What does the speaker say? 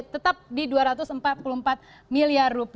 tetap di rp dua ratus empat puluh empat miliar